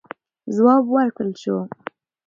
ځواب ورکړل سو.